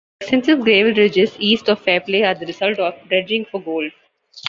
The extensive gravel ridges east of Fairplay are the result of dredging for gold.